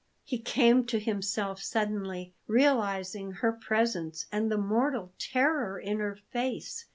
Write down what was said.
He came to himself suddenly, realizing her presence and the mortal terror in her face.